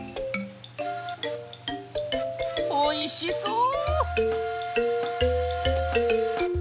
おいしそう！